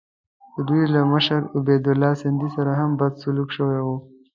د دوی له مشر عبیدالله سندي سره هم بد سلوک شوی وو.